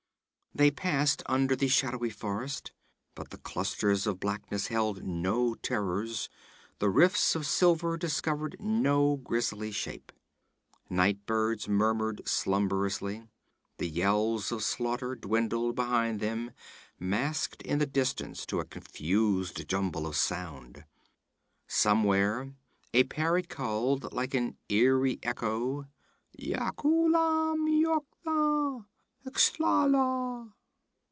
They passed under the shadowy forest, but the clusters of blackness held no terrors, the rifts of silver discovered no grisly shape. Night birds murmured slumberously. The yells of slaughter dwindled behind them, masked in the distance to a confused jumble of sound. Somewhere a parrot called, like an eery echo: '_Yagkoolan yok tha, xuthalla!